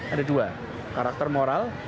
ada dua karakter moral